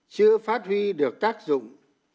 chưa phát huy được tác dụng